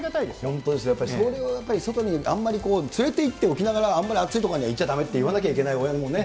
本当です、それがやっぱり外にあんまりこう、連れていっておきながら、あんまり暑い所に行っちゃだめって言わなきゃいけない親ってね。